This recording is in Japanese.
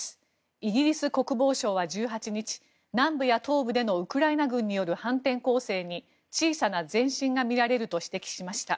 イギリス国防省は１８日南部や東部でのウクライナ軍による反転攻勢に小さな前進がみられると指摘しました。